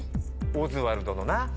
オズワルドのな？